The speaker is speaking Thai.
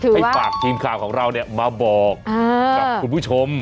ให้ฝากทีมข่าวของเรามาบอกกับคุณผู้ชม